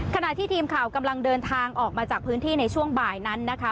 ขณะที่ทีมข่าวกำลังเดินทางออกมาจากพื้นที่ในช่วงบ่ายนั้นนะคะ